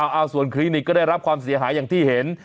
เอาส่วนคลินิกก็ได้รับความเสียหายอย่างที่เห็น